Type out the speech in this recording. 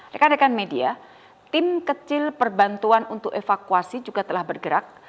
rekan rekan media tim kecil perbantuan untuk evakuasi juga telah bergerak